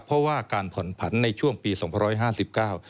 เพราะว่าการผ่อนผันในช่วงสังพันธุ์๒๕๙